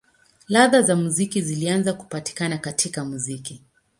Ladha za muziki zilianza kupatikana katika muziki.